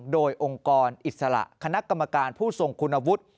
โดยองค์กรอิสระคณะกรรมการผู้ทรงคุณวุฒิ